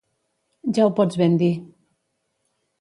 Ja ho pots ben dir.